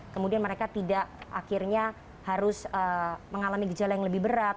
kemudian mereka tidak akhirnya harus mengalami gejala yang lebih berat